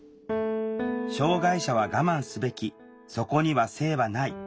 障害者は我慢すべきそこには性はない。